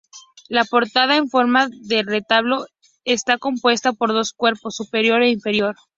La portada, en forma de retablo, está compuesta por dos cuerpos, superior e inferior.